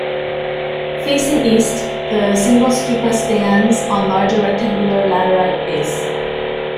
Facing east, the single stupa stands on large rectangular laterite base.